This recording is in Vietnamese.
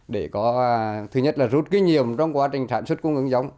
để có thứ nhất là rút kinh nghiệm trong quá trình sản xuất cung ứng giống